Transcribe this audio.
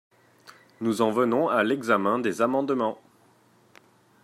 Nous en venons à l’examen des amendements.